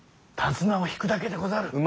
手綱を引くだけでござる。